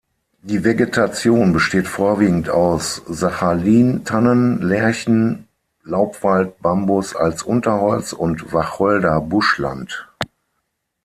Die Vegetation besteht vorwiegend aus Sachalin-Tannen, Lärchen, Laubwald, Bambus als Unterholz und Wacholder-Buschland.